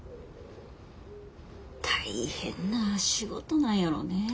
大変な仕事なんやろねぇ。